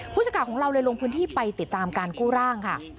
สักข่าวของเราเลยลงพื้นที่ไปติดตามการกู้ร่างค่ะ